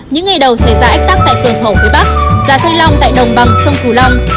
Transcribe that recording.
những ngày đầu xảy ra ách tắc tại cửa khẩu phía bắc giá thanh long tại đồng bằng sông cửu long